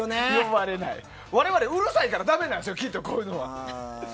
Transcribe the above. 我々うるさいからだめなんですよ、きっとこういうのは。